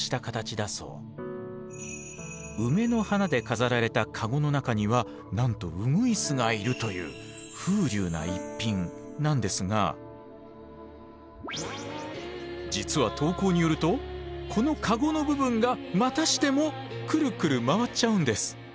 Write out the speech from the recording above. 梅の花で飾られた籠の中にはなんとうぐいすがいるという風流な逸品なんですが実は投稿によるとこの籠の部分がまたしてもくるくる回っちゃうんです。